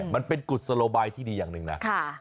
มันเป็นกุศโลบายที่ดีอย่างหนึ่งนะ